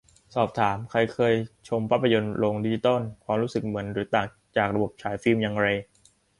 สอบถาม - ใครเคยชมภาพยนตร์โรงดิจิตอล ความรู้สึกเหมือนหรือต่างจากระบบฉายฟิล์มอย่างไร